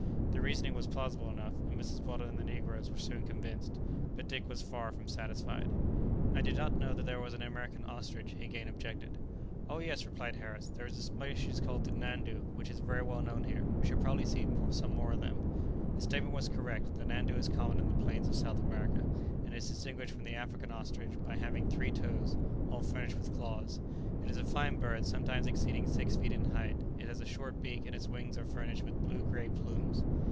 The reasoning was plausible enough, and Mrs Weldon and the negroes were soon convinced. But Dick was far from satisfied. "I did not know that there was an American ostrich!" he again objected. "Oh, yes," replied Harris promptly, "there is a species called the nandu, which is very well known here; we shall probably see some more of them." The statement was correct; the nandu is common in the plains of South America, and is distinguished from the African ostrich by having three toes, all furnished with claws. It is a fine bird, sometimes exceeding six feet in height; it has a short beak, and its wings are furnished with blue grey plumes.